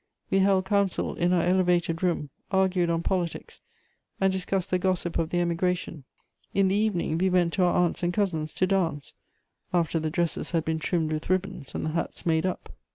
We held counsel in our elevated room, argued on politics, and discussed the gossip of the Emigration. In the evening, we went to our aunts and cousins to dance, after the dresses had been trimmed with ribbons and the hats made up.